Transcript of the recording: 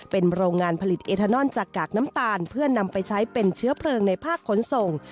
เป็นโรงงานผลิตเอทานอนจากกากน้ำตาลเพื่อนำไปใช้เป็นเชื้อเพลิงในภาคขนส่ง